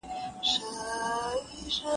فلسفه د "حکمت سره مینه" ده.